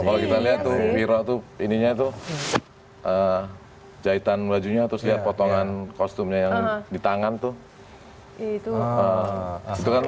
kalau kita lihat tuh wiro tuh jahitan bajunya potongan kostumnya yang di tangan tuh